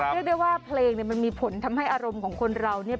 เพราะว่าเพลงมันมีผลทำให้อารมณ์ของคนเราเนี่ย